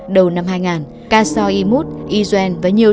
đầu năm hai nghìn castro imut yuen và nhiều thầy